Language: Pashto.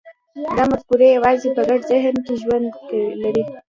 دا مفکورې یوازې په ګډ ذهن کې ژوند لري.